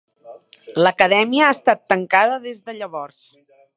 L'Acadèmia ha estat tancada des de llavors.